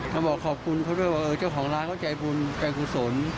แล้วบอกขอบคุณเขาด้วยว่าเจ้าของร้านเขาใจบุญใจกุศล